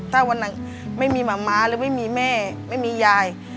ถ้าวันนั้นไม่มีแม่ไม่มีแม่ไม่มียาย